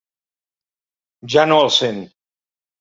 Ja no el sent.